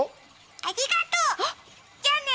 ありがとう！じゃーねー！